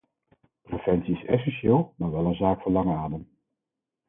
Preventie is essentieel, maar wel een zaak van lange adem.